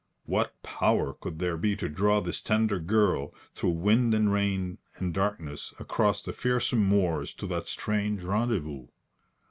What power could there be to draw this tender girl, through wind and rain and darkness, across the fearsome moors to that strange rendezvous?